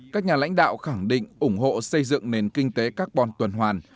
các nhà lãnh đạo khẳng định ủng hộ xây dựng nền kinh tế carbon tuần hoàn